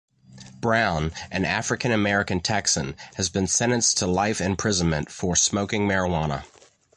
Brown, an African American Texan, has been sentenced to life imprisonment for smoking marijuana.